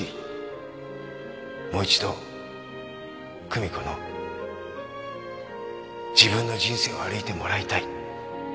もう一度久美子の自分の人生を歩いてもらいたい。